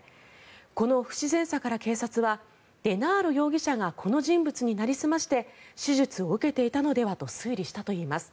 この不自然さから警察はデナーロ容疑者がこの人物になりすまして手術を受けていたのではと推理しています。